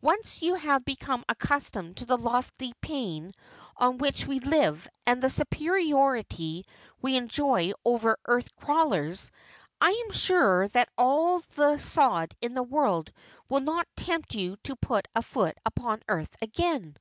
Once you have become accustomed to the lofty plane on which we live and the superiority we enjoy over earth crawlers, I am sure that all the sod in the world will not tempt you to put foot upon earth again."